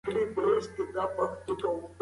ترانزیت سیاست بدلوي.